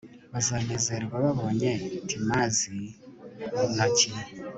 bazanezerwa babonye timazi mu ntoki